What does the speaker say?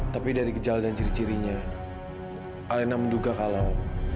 tapi dari gejala dan ciri cirinya alena menduga kalau